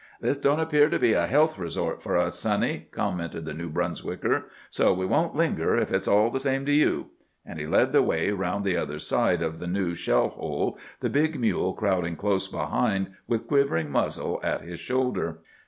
"This don't appear to be a health resort for us, Sonny," commented the New Brunswicker, "so we won't linger, if it's all the same to you." And he led the way around the other side of the new shell hole, the big mule crowding close behind with quivering muzzle at his shoulder.